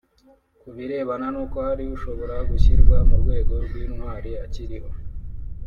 Ku birebana n’uko hari ushobora gushyirwa mu rwego rw’intwari akiriho